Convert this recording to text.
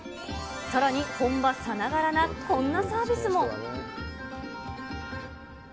さらに本場さながらなこんなサービスも。